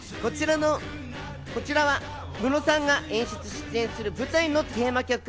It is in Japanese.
こちらはムロさんが演出・出演する舞台のテーマ曲。